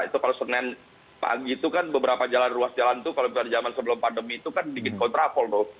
itu kalau senin pagi itu kan beberapa jalan ruas jalan tuh kalau misalnya zaman sebelum pandemi itu kan dikit kontraflo